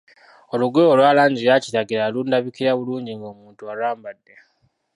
Olugoye olwa langi eya kiragala lundabikira bulungi ng'omuntu alwambadde.